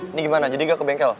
ini gimana jadi gak ke bengkel